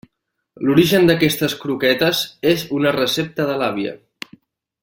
L'origen d'aquestes croquetes és una recepta de l'àvia.